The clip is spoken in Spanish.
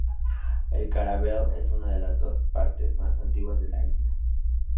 La Caravelle es una de las dos partes más antiguas de la isla.